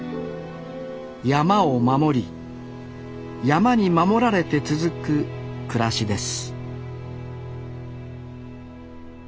山を守り山に守られて続く暮らしです